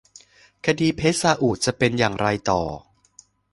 คดีเพชรซาอุจะเป็นอย่างไรต่อ